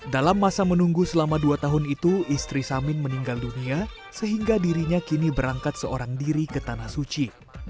dalam masa menunggu selama dua tahun itu istri samin meninggal dunia sehingga dirinya kini berangkat seorang diri ke tanah suci